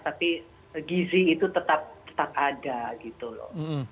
tapi gizi itu tetap ada gitu loh